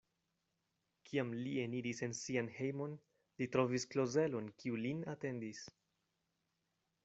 Kiam li eniris en sian hejmon, li trovis Klozelon, kiu lin atendis.